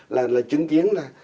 là là chứng kiến là